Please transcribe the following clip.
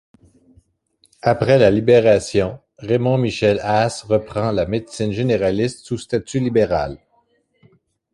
Après la Libération, Raymond-Michel Haas reprend la médecine généraliste sous statut libéral.